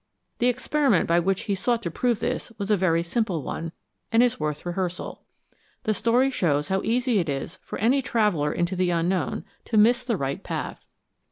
The experiment by which he sought to prove this was a very simple one, and is worth rehearsal. The story shows how easy it is for any traveller into the unknown to miss the right path.